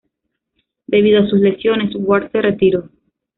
Debido a sus lesiones Ward se retiró.